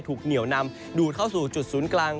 เหนียวนำดูดเข้าสู่จุดศูนย์กลาง